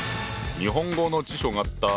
日本語の辞書があった。